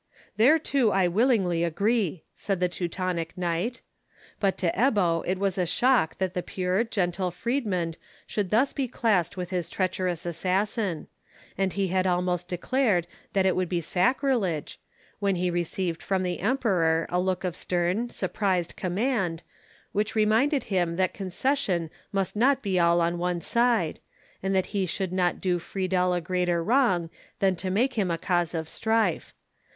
"Thereto I willingly agree," said the Teutonic knight. But to Ebbo it was a shock that the pure, gentle Friedmund should thus be classed with his treacherous assassin; and he had almost declared that it would be sacrilege, when he received from the Emperor a look of stern, surprised command, which reminded him that concession must not be all on one side, and that he could not do Friedel a greater wrong than to make him a cause of strife.